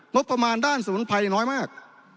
งบประมาณด้านศูนย์ภัยน้อยมาก